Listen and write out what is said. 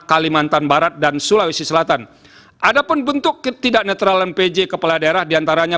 kalimantan barat dan sulawesi selatan ada pun bentuk ketidak netralan pj kepala daerah diantaranya